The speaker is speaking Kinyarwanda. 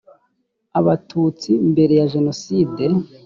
abatutsi mbere ya jenoside